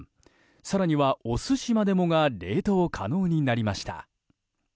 更にはお寿司までもが冷凍可能になりました。